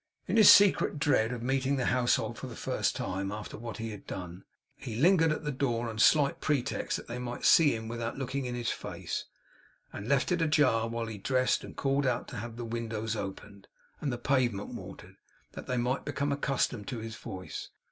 In his secret dread of meeting the household for the first time, after what he had done, he lingered at the door on slight pretexts that they might see him without looking in his face; and left it ajar while he dressed; and called out to have the windows opened, and the pavement watered, that they might become accustomed to his voice.